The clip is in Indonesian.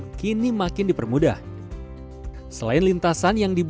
prosedur mendapatkan lisensi menggunakan sim